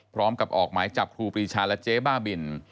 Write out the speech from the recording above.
พร้อมกับออกหมายจับครูปรีชาและเจ๊บ้าบิน